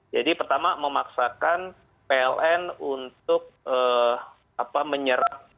jadi pertama memaksakan pln untuk menyerap